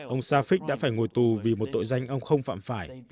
ông safix đã phải ngồi tù vì một tội danh ông không phạm phải